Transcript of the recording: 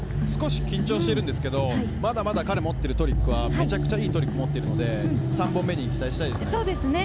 緊張してますけど、まだまだ彼、持ってるトリックはめちゃくちゃいいトリック持ってるので、３本目に期待したいです。